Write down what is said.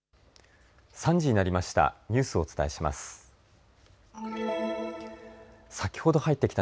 ３時になりました。